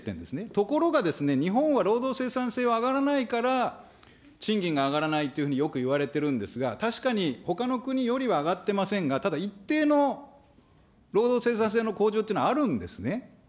ところがですね、日本は労働生産性は上がらないから、賃金が上がらないというふうによく言われているんですが、確かにほかの国よりは上がってませんが、ただ一定の労働生産性の向上というのは、あるんですね。